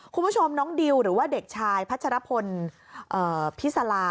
คุณผู้ชมน้องดิวหรือว่าเด็กชายพัชรพลพิสลา